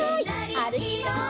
あるきます！